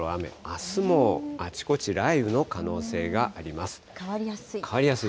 あすもあちこち雷雨の可能性があります。